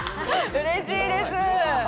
うれしいです。